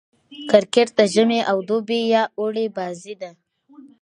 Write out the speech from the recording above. کرکټ د ژمي او دوبي يا اوړي بازي ده.